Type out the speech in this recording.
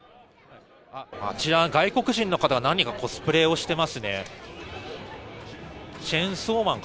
あちら、外国人の方が何人かコスプレをしてますね。